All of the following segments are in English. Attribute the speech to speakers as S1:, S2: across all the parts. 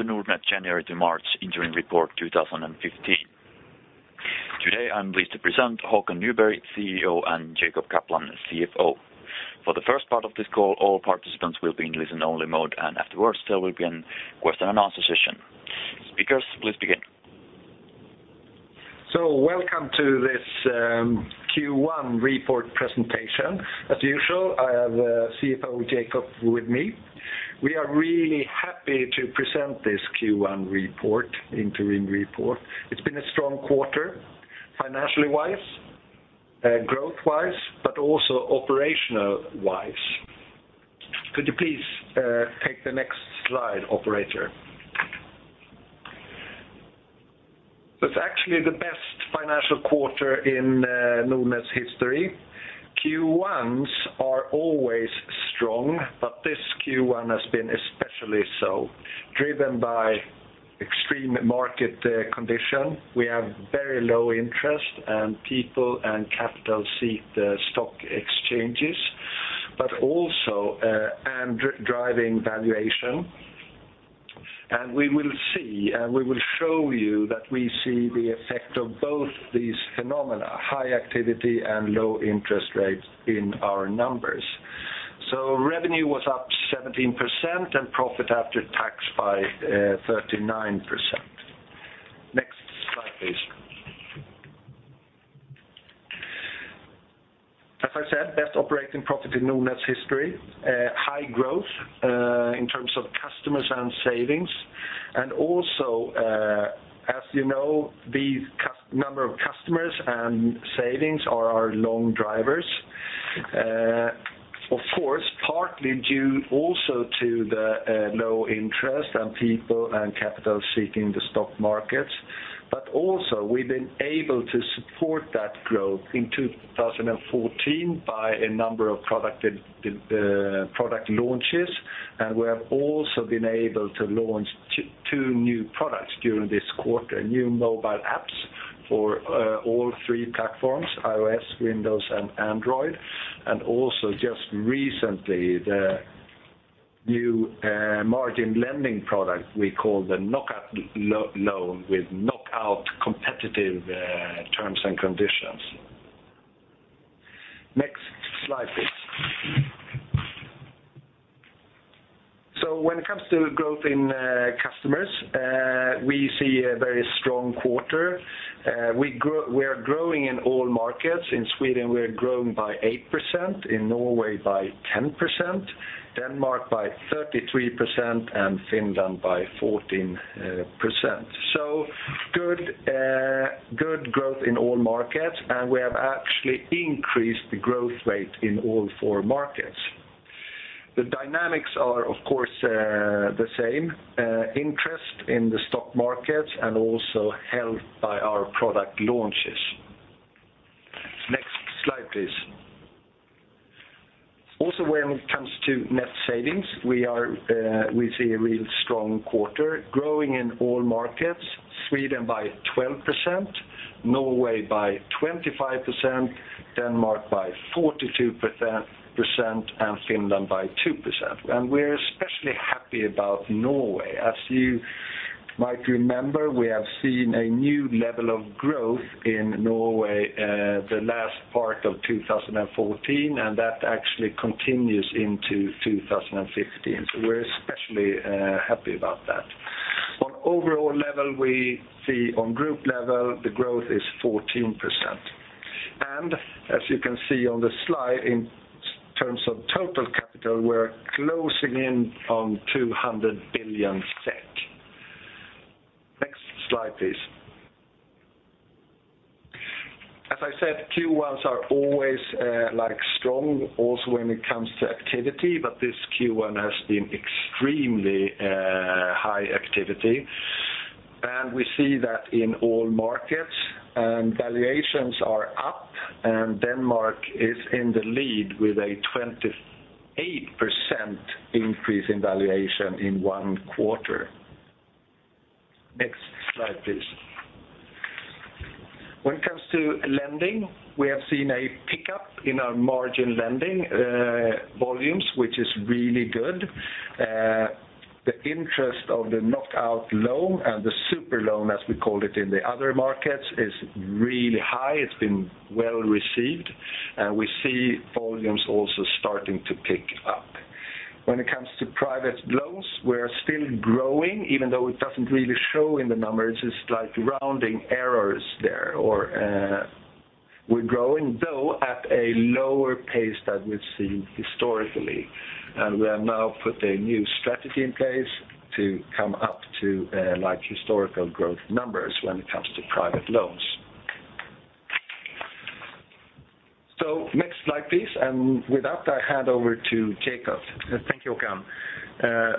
S1: The Nordnet January to March Interim Report 2015. Today, I'm pleased to present Håkan Nyberg, CEO, and Jacob Kaplan, CFO. For the first part of this call, all participants will be in listen-only mode, and afterwards there will be a question and answer session. Speakers, please begin.
S2: Welcome to this Q1 report presentation. As usual, I have CFO Jacob with me. We are really happy to present this Q1 interim report. It's been a strong quarter financially-wise, growth-wise, but also operational-wise. Could you please take the next slide, operator? It's actually the best financial quarter in Nordnet's history. Q1s are always strong, but this Q1 has been especially so, driven by extreme market condition. We have very low interest and people and capital seek the stock exchanges, but also driving valuation. We will show you that we see the effect of both these phenomena, high activity and low interest rates in our numbers. Revenue was up 17% and profit after tax by 39%. Next slide, please. As I said, best operating profit in Nordnet's history. High growth in terms of customers and savings. Also, as you know, the number of customers and savings are our long drivers. Of course, partly due also to the low interest and people and capital seeking the stock markets. We've been able to support that growth in 2014 by a number of product launches, and we have also been able to launch two new products during this quarter, new mobile apps for all three platforms, iOS, Windows, and Android, and also just recently the new margin lending product we call the Knockoutlånet with knockout competitive terms and conditions. Next slide, please. When it comes to growth in customers, we see a very strong quarter. We are growing in all markets. In Sweden, we are growing by 8%, in Norway by 10%, Denmark by 33%, and Finland by 14%. Good growth in all markets, and we have actually increased the growth rate in all four markets. The dynamics are, of course, the same, interest in the stock markets and also helped by our product launches. Next slide, please. When it comes to net savings, we see a real strong quarter growing in all markets, Sweden by 12%, Norway by 25%, Denmark by 42%, and Finland by 2%. We're especially happy about Norway. As you might remember, we have seen a new level of growth in Norway the last part of 2014, and that actually continues into 2015. We're especially happy about that. On overall level, we see on group level the growth is 14%. As you can see on the slide, in terms of total capital, we're closing in on 200 billion SEK. Next slide, please. As I said, Q1s are always strong also when it comes to activity, but this Q1 has been extremely high activity, and we see that in all markets. Valuations are up, and Denmark is in the lead with a 28% increase in valuation in one quarter. Next slide, please. When it comes to lending, we have seen a pickup in our margin lending volumes, which is really good. The interest of the Knockoutlånet and the Superlånet, as we call it in the other markets, is really high. It's been well-received, and we see volumes also starting to pick up. When it comes to private loans, we're still growing, even though it doesn't really show in the numbers. It's like rounding errors there. We're growing, though, at a lower pace than we've seen historically. We have now put a new strategy in place to come up to historical growth numbers when it comes to private loans. Next slide, please. With that, I hand over to Jacob.
S3: Thank you, Håkan.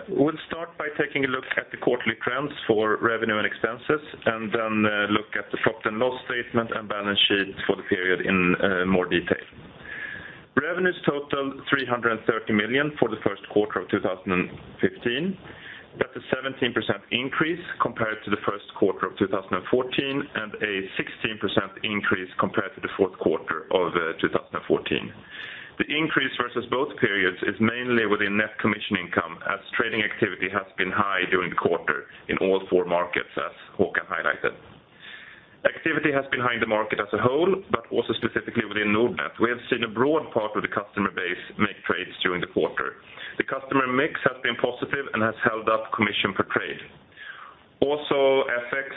S3: We'll start by taking a look at the quarterly trends for revenue and expenses and then look at the profit and loss statement and balance sheet for the period in more detail. Revenues total 330 million for the first quarter of 2015. That's a 17% increase compared to the first quarter of 2014 and a 16% increase compared to the fourth quarter of 2014. The increase versus both periods is mainly within net commission income as trading activity has been high during the quarter in all four markets, as Håkan highlighted. Activity has been high in the market as a whole, but also specifically within Nordnet. We have seen a broad part of the customer base make trades during the quarter. The customer mix has been positive and has held up commission per trade. FX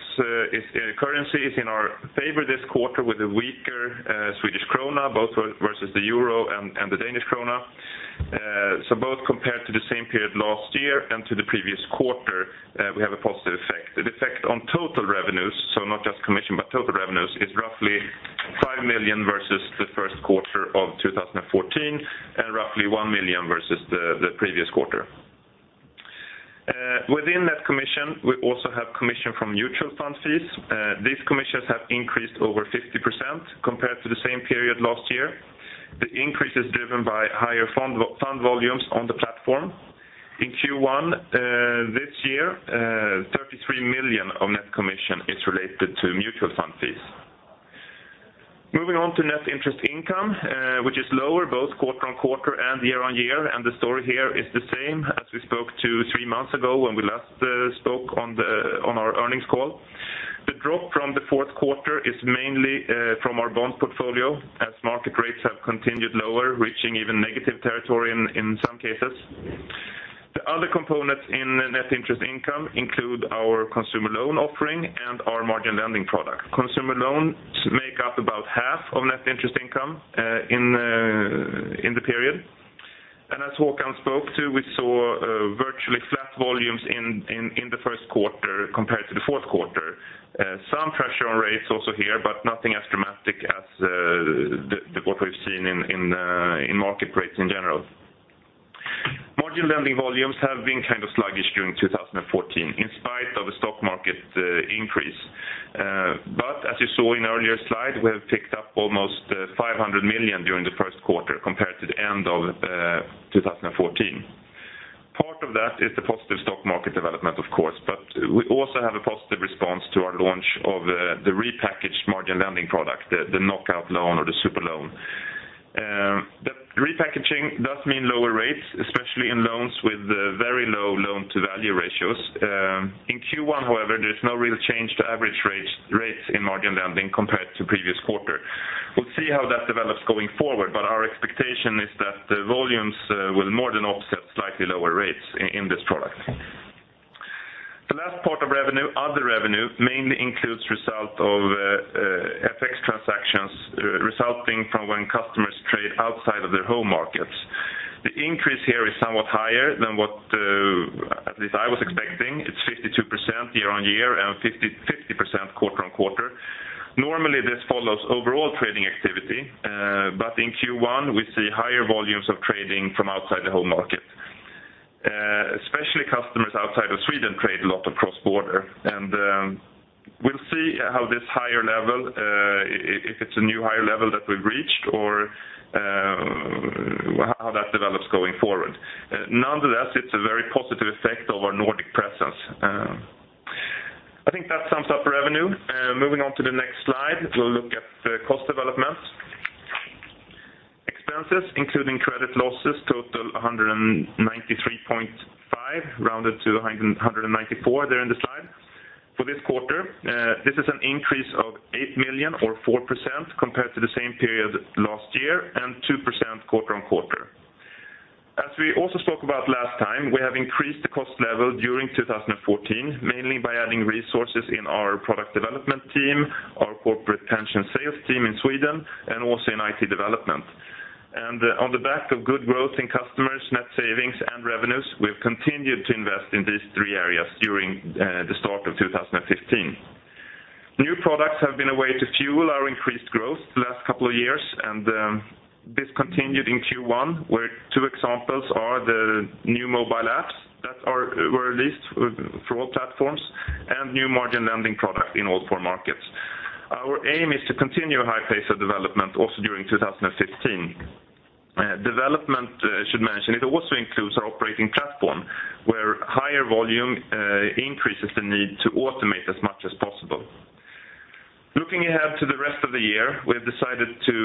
S3: currency is in our favor this quarter with a weaker Swedish krona, both versus the EUR and the Danish krone. Both compared to the same period last year and to the previous quarter, we have a positive effect. The effect on total revenues, so not just commission, but total revenues, is roughly 5 million versus the first quarter of 2014 and roughly 1 million versus the previous quarter. Within that commission, we also have commission from mutual fund fees. These commissions have increased over 50% compared to the same period last year. The increase is driven by higher fund volumes on the platform. In Q1 this year, 33 million of net commission is related to mutual fund fees. Moving on to net interest income, which is lower both quarter-on-quarter and year-on-year. The story here is the same as we spoke to three months ago when we last spoke on our earnings call. The drop from the fourth quarter is mainly from our bonds portfolio as market rates have continued lower, reaching even negative territory in some cases. The other components in net interest income include our consumer loan offering and our margin lending product. Consumer loans make up about half of net interest income in the period. As Håkan spoke to, we saw virtually flat volumes in the first quarter compared to the fourth quarter. Some pressure on rates also here, but nothing as dramatic as what we've seen in market rates in general. Margin lending volumes have been sluggish during 2014 in spite of the stock market increase. As you saw in earlier slide, we have picked up almost 500 million during the first quarter compared to the end of 2014. Part of that is the positive stock market development, of course. We also have a positive response to our launch of the repackaged margin lending product, the Knockoutlånet or the Superlånet. The repackaging does mean lower rates, especially in loans with very low loan-to-value ratios. In Q1, however, there's no real change to average rates in margin lending compared to previous quarter. We'll see how that develops going forward, but our expectation is that the volumes will more than offset slightly lower rates in this product. The last part of revenue, other revenue, mainly includes result of FX transactions resulting from when customers trade outside of their home markets. The increase here is somewhat higher than what at least I was expecting. It's 52% year-on-year and 50% quarter-on-quarter. Normally this follows overall trading activity, but in Q1 we see higher volumes of trading from outside the home market. Especially customers outside of Sweden trade a lot of cross-border, and we'll see how this higher level, if it's a new higher level that we've reached or how that develops going forward. Nonetheless, it's a very positive effect of our Nordic presence. I think that sums up revenue. Moving on to the next slide, we'll look at cost developments. Expenses including credit losses total 193.5 million, rounded to 194 million there in the slide. For this quarter, this is an increase of 8 million or 4% compared to the same period last year and 2% quarter-on-quarter. As we also spoke about last time, we have increased the cost level during 2014, mainly by adding resources in our product development team, our corporate pension sales team in Sweden, and also in IT development. On the back of good growth in customers, net savings, and revenues, we've continued to invest in these three areas during the start of 2015. New products have been a way to fuel our increased growth the last couple of years, and this continued in Q1 where two examples are the new mobile apps that were released for all platforms and new margin lending product in all four markets. Our aim is to continue a high pace of development also during 2015. Development, I should mention, it also includes our operating platform, where higher volume increases the need to automate as much as possible. Looking ahead to the rest of the year, we've decided to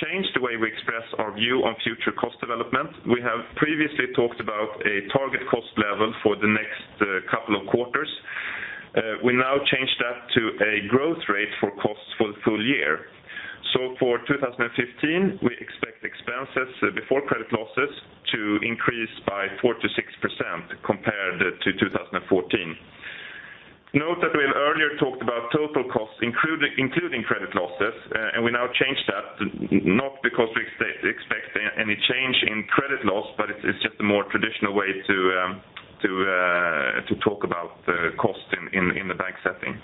S3: change the way we express our view on future cost development. We have previously talked about a target cost level for the next couple of quarters. We now change that to a growth rate for costs for the full year. For 2015, we expect expenses before credit losses to increase by 4%-6% compared to 2014. Note that we have earlier talked about total costs including credit losses, we now change that, not because we expect any change in credit loss, it's just a more traditional way to talk about cost in the bank setting.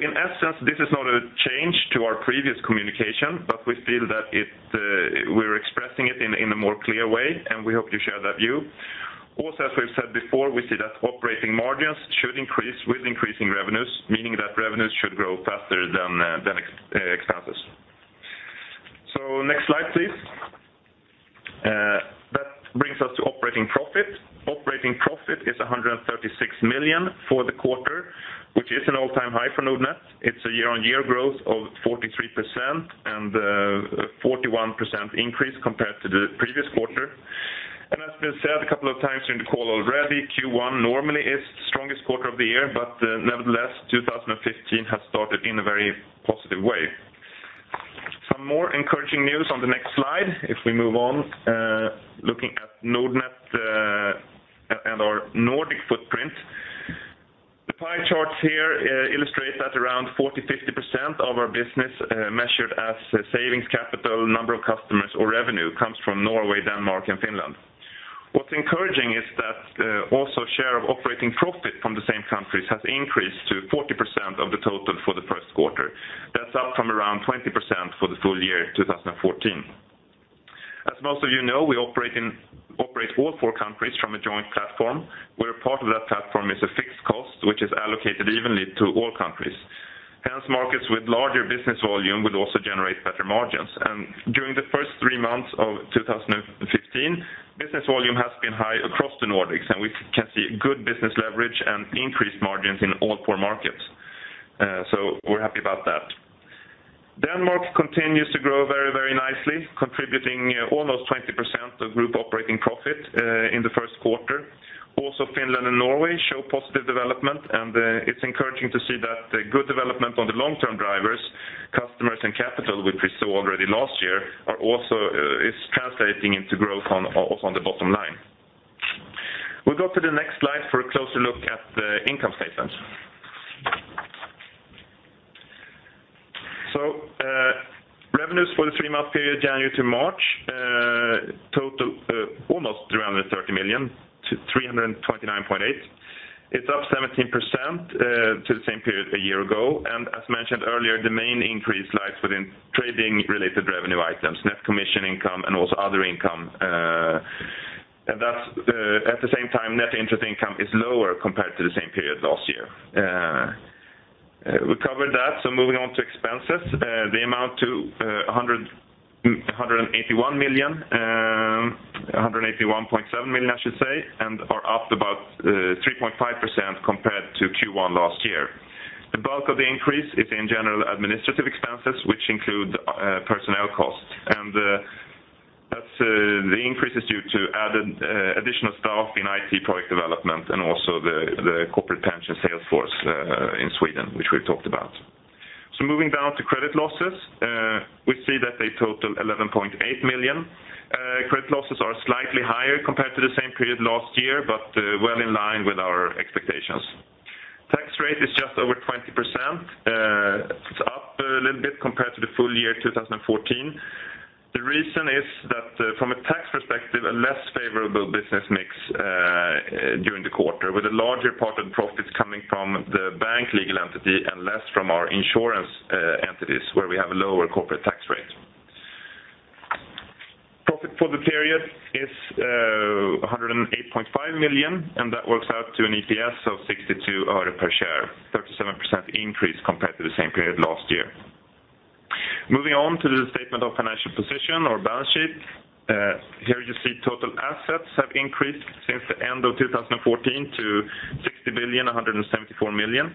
S3: In essence, this is not a change to our previous communication, we feel that we're expressing it in a more clear way, and we hope you share that view. As we've said before, we see that operating margins should increase with increasing revenues, meaning that revenues should grow faster than expenses. Next slide, please. That brings us to operating profit. Operating profit is 136.3 million for the quarter, which is an all-time high for Nordnet. It's a year-on-year growth of 43% and a 41% increase compared to the previous quarter. As been said a couple of times during the call already, Q1 normally is the strongest quarter of the year, nevertheless, 2015 has started in a very positive way. Some more encouraging news on the next slide, if we move on, looking at Nordnet and our Nordic footprint. The pie charts here illustrate that around 40%-50% of our business, measured as savings capital, number of customers or revenue, comes from Norway, Denmark, and Finland. What's encouraging is that also share of operating profit from the same countries has increased to 40% of the total for the first quarter. That's up from around 20% for the full year 2014. As most of you know, we operate all four countries from a joint platform, where a part of that platform is a fixed cost, which is allocated evenly to all countries. Hence markets with larger business volume would also generate better margins. During the first three months of 2015, business volume has been high across the Nordics, and we can see good business leverage and increased margins in all four markets. We're happy about that. Denmark continues to grow very, very nicely, contributing almost 20% of group operating profit in the first quarter. Finland and Norway show positive development, it's encouraging to see that the good development on the long-term drivers, customers and capital, which we saw already last year, is translating into growth on the bottom line. We go to the next slide for a closer look at the income statement. Revenues for the three-month period January to March total almost 330 million to 329.8 million. It's up 17% to the same period a year ago. As mentioned earlier, the main increase lies within trading-related revenue items, net commission income, and also other income. At the same time, net interest income is lower compared to the same period last year. We covered that, moving on to expenses. They amount to 181 million, 181.7 million, I should say, and are up about 3.5% compared to Q1 last year. The bulk of the increase is in general administrative expenses, which include personnel costs, and the increase is due to additional staff in IT product development and also the corporate pension sales force in Sweden, which we talked about. Moving down to credit losses we see that they total 11.8 million. Credit losses are slightly higher compared to the same period last year, but well in line with our expectations. Tax rate is just over 20%. It's up a little bit compared to the full year 2014. The reason is that from a tax perspective, a less favorable business mix during the quarter with a larger part of profits coming from the bank legal entity and less from our insurance entities where we have a lower corporate tax rate. Profit for the period is 108.5 million, and that works out to an EPS of 0.62 SEK per share, 37% increase compared to the same period last year. Moving on to the statement of financial position or balance sheet. Here you see total assets have increased since the end of 2014 to 60,174 million.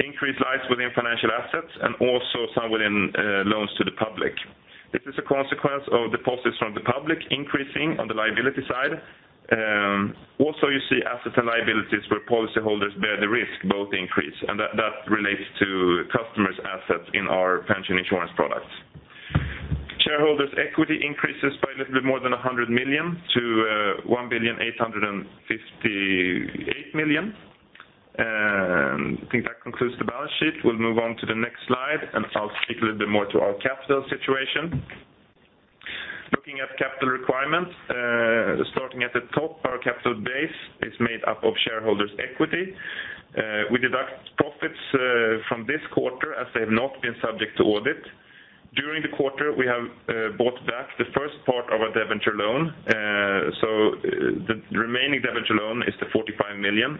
S3: Increase lies within financial assets and also some within loans to the public. This is a consequence of deposits from the public increasing on the liability side. Also you see assets and liabilities where policyholders bear the risk both increase, and that relates to customers' assets in our pension insurance products. Shareholders' equity increases by a little bit more than 100 million to 1,858 million. I think that concludes the balance sheet. We'll move on to the next slide, and I'll speak a little bit more to our capital situation. Looking at capital requirements starting at the top, our capital base is made up of shareholders' equity. We deduct profits from this quarter as they have not been subject to audit. During the quarter, we have bought back the first part of our debenture loan. The remaining debenture loan is 45 million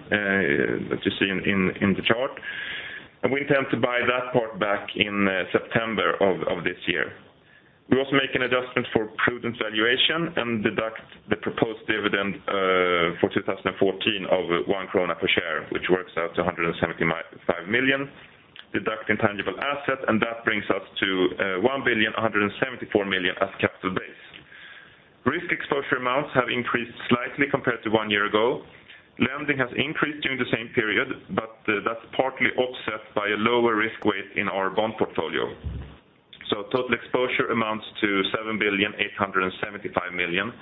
S3: that you see in the chart. We intend to buy that part back in September of this year. We also make an adjustment for prudent valuation and deduct the proposed dividend for 2014 of 1 krona per share, which works out to 175 million. Deduct intangible asset, that brings us to 1,174 million as capital base. Risk exposure amounts have increased slightly compared to one year ago. Lending has increased during the same period, but that's partly offset by a lower risk weight in our bond portfolio. Total exposure amounts to 7,875 million,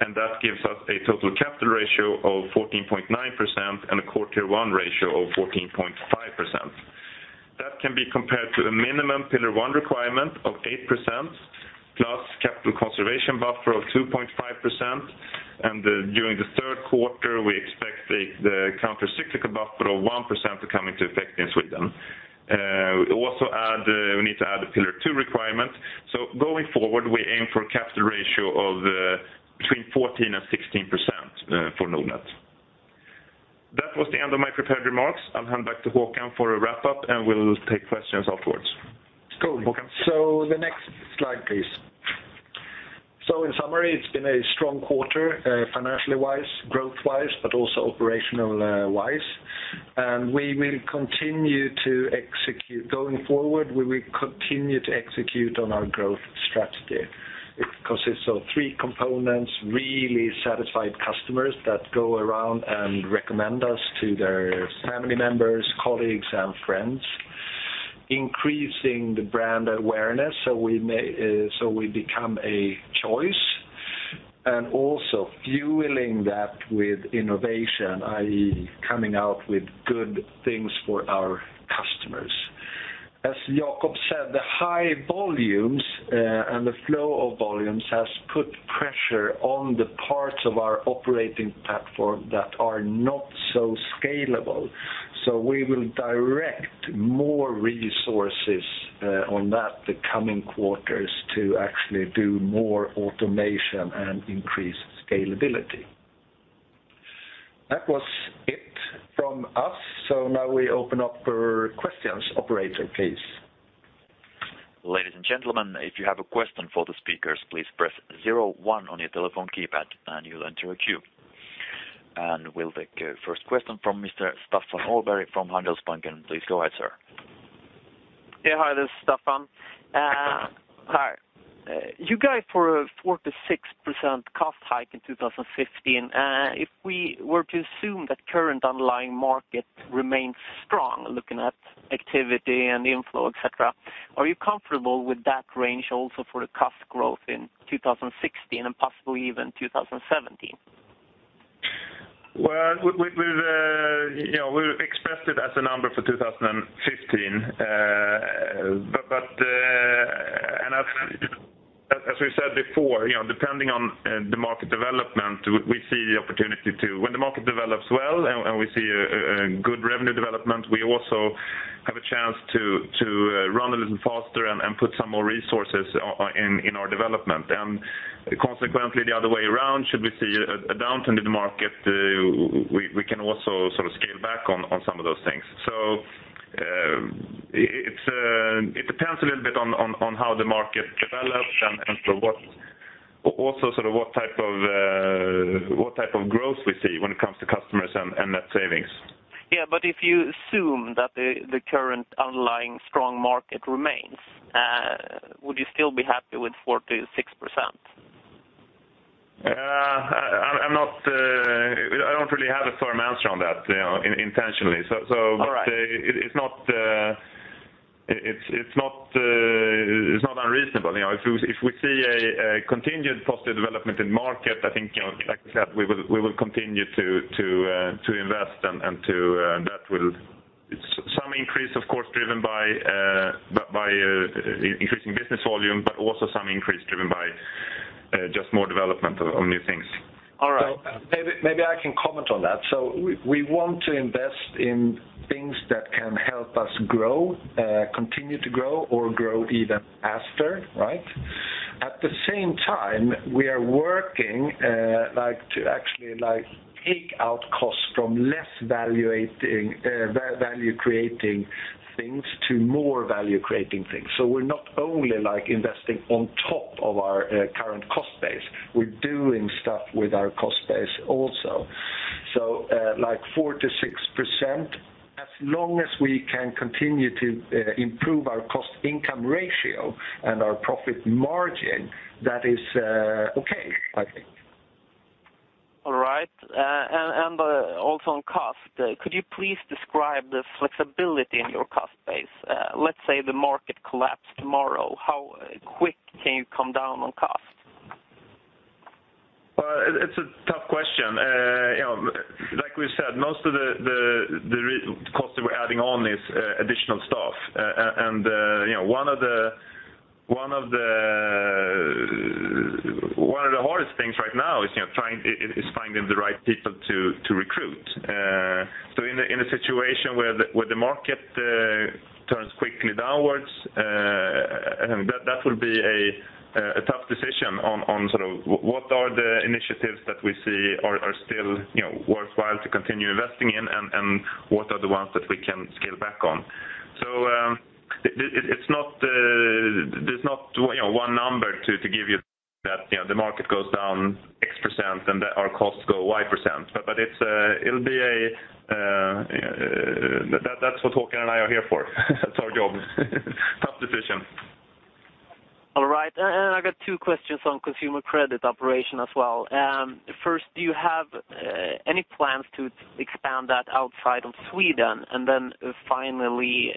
S3: and that gives us a total capital ratio of 14.9% and a Core Tier 1 ratio of 14.5%. That can be compared to a minimum Pillar 1 requirement of 8% plus capital conservation buffer of 2.5%. During the third quarter, we expect the countercyclical buffer of 1% to come into effect in Sweden. We need to add the Pillar 2 requirement. Going forward, we aim for a capital ratio of between 14% and 16% for Nordnet. That was the end of my prepared remarks. I'll hand back to Håkan for a wrap-up, and we'll take questions afterwards. Håkan?
S2: Next slide, please. Summary, it's been a strong quarter financially wise, growth wise, but also operationally wise. We will continue to execute going forward. We will continue to execute on our growth strategy. It consists of three components: really satisfied customers that go around and recommend us to their family members, colleagues, and friends. Increasing the brand awareness so we become a choice, and also fueling that with innovation, i.e., coming out with good things for our customers. As Jacob said, the high volumes, and the flow of volumes has put pressure on the parts of our operating platform that are not so scalable. We will direct more resources on that the coming quarters to actually do more automation and increase scalability. That was it from us. Now we open up for questions. Operator, please.
S1: Ladies and gentlemen, if you have a question for the speakers, please press zero one on your telephone keypad and you'll enter a queue. We'll take first question from Mr. Staffan Åberg from Handelsbanken. Please go ahead, sir.
S4: Hi, this is Staffan. You guide for a 4%-6% cost hike in 2015. If we were to assume that current underlying market remains strong, looking at activity and inflow, et cetera, are you comfortable with that range also for the cost growth in 2016 and possibly even 2017?
S3: We expressed it as a number for 2015. As we said before, depending on the market development, we see the opportunity to, when the market develops well and we see a good revenue development, we also have a chance to run a little faster and put some more resources in our development. Consequently, the other way around, should we see a downturn in the market, we can also scale back on some of those things. It depends a little bit on how the market develops and also what type of growth we see when it comes to customers and net savings.
S4: But if you assume that the current underlying strong market remains, would you still be happy with 4%-6%?
S3: I don't really have a firm answer on that intentionally.
S4: All right.
S3: It's not unreasonable. If we see a continued positive development in market, I think, like we said, we will continue to invest and that will Some increase, of course, driven by increasing business volume, but also some increase driven by just more development of new things.
S4: All right.
S2: Maybe I can comment on that. We want to invest in things that can help us grow, continue to grow, or grow even faster, right? At the same time, we are working to actually take out costs from less value-creating things to more value-creating things. We're not only investing on top of our current cost base. We're doing stuff with our cost base also. 4% to 6%, as long as we can continue to improve our cost-income ratio and our profit margin, that is okay, I think.
S4: All right. Also on cost, could you please describe the flexibility in your cost base? Let's say the market collapsed tomorrow. How quick can you come down on cost?
S3: Well, it's a tough question. Like we said, most of the cost that we're adding on is additional staff. One of the hardest things right now is finding the right people to recruit. In a situation where the market turns quickly downwards, that will be a tough decision on what are the initiatives that we see are still worthwhile to continue investing in and what are the ones that we can scale back on. There's not one number to give you that the market goes down X percent and our costs go Y percent. That's what Håkan and I are here for. It's our job. Tough decision.
S4: All right. I got two questions on consumer credit operation as well. First, do you have any plans to expand that outside of Sweden? Finally,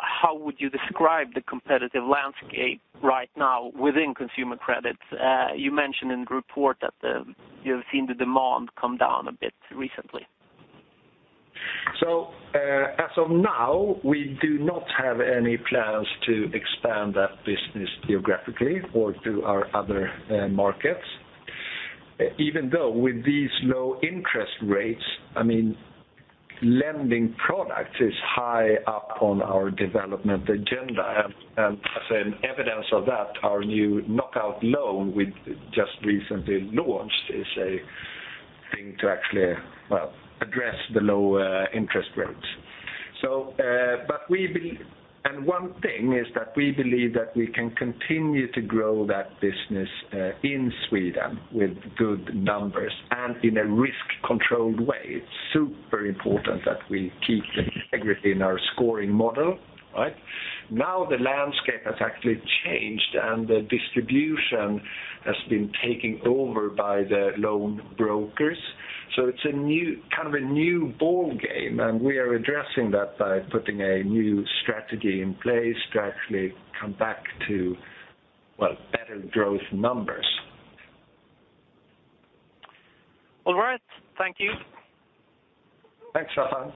S4: how would you describe the competitive landscape right now within consumer credits? You mentioned in the report that you have seen the demand come down a bit recently.
S2: As of now, we do not have any plans to expand that business geographically or to our other markets. Even though with these low interest rates, lending product is high up on our development agenda. As an evidence of that, our new Knockoutlånet we just recently launched is a thing to actually address the low interest rates. One thing is that we believe that we can continue to grow that business in Sweden with good numbers and in a risk-controlled way. It's super important that we keep the integrity in our scoring model, right? Now the landscape has actually changed. The distribution has been taken over by the loan brokers. It's a new ballgame. We are addressing that by putting a new strategy in place to actually come back to better growth numbers.
S4: All right. Thank you.
S2: Thanks, Staffan.